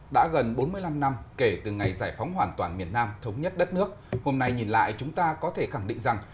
đã gần bốn mươi năm năm kể từ ngày giải phóng hoàn toàn miền nam thống nhất đất nước hôm nay nhìn lại chúng ta có thể khẳng định rằng